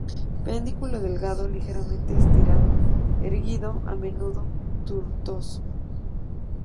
Pedúnculo delgado, ligeramente estriado, erguido, a menudo tortuoso.